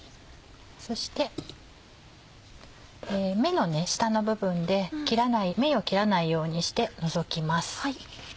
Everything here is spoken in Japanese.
そして目の下の部分で目を切らないようにして除きます。